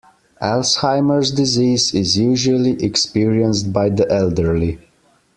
Alzheimer’s disease is usually experienced by the elderly.